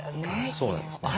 そうなんですね。